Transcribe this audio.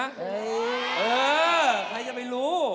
เออใครจะไปรู้